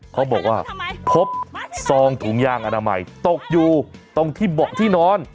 เขาบอกว่าพบซองถุงยางอนามัยตกอยู่ตรงที่เบาะที่นอน